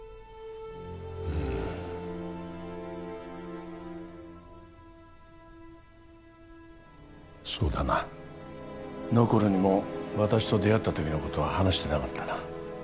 うんそうだなノコルにも私と出会った時のことは話してなかったな